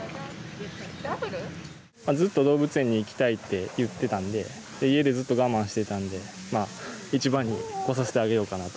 ずっと動物園に行きたいって言っていたので家でずっと我慢してたので一番に来させてあげようかなと。